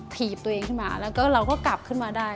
ถีบตัวเองขึ้นมาแล้วก็เราก็กลับขึ้นมาได้